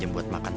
sampai jumpa lagi